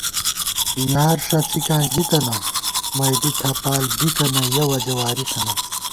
یار ݭَڅِکاں ژِی تنہ ، مئیدِی تھپال بِکَنہ یَہ وجہ واری تھنہ